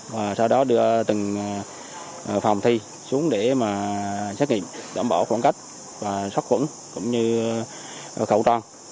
và sau đó đưa từng phòng thi xuống để mà xét nghiệm đảm bảo khoảng cách và sát khuẩn cũng như khẩu trang